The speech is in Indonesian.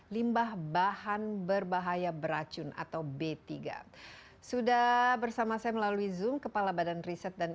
limbah bahan berbahaya beracun atau b tiga sudah bersama saya melalui zoom kepala badan riset dan